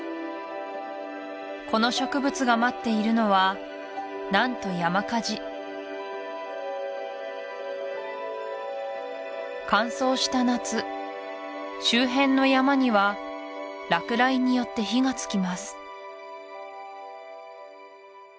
この植物が待っているのは何と山火事乾燥した夏周辺の山には落雷によって火がつきます